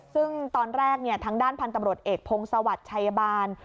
ซึ่งตอนแรกทางด้านพันธุ์ตำรวจเอกพงศวรรค์ชัยบาล